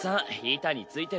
板に付いてる。